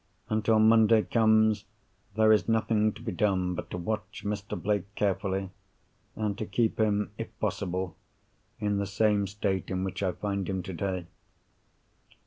Until Monday comes, there is nothing to be done but to watch Mr. Blake carefully, and to keep him, if possible, in the same state in which I find him today.